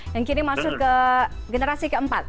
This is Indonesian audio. yang kini masuk ke generasi keempat